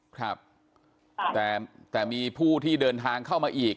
ครับแต่มีผู้ที่เดินทางเข้ามาอีก